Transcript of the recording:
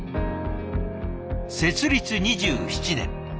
設立２７年。